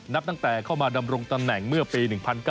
นับตั้งแต่เข้ามาดำรงตำแหน่งเมื่อปี๑๙